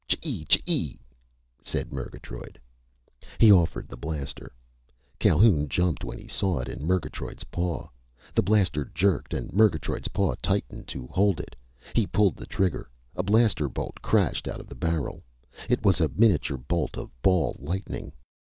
"Chee chee!" said Murgatroyd. He offered the blaster. Calhoun jumped when he saw it in Murgatroyd's paw. The blaster jerked, and Murgatroyd's paw tightened to hold it. He pulled the trigger. A blaster bolt crashed out of the barrel. It was a miniature bolt of ball lightning.